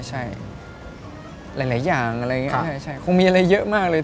หลายอย่างคงมีอะไรเยอะมากเลย